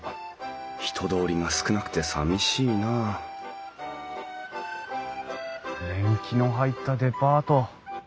人通りが少なくてさみしいなあ年季の入ったデパート。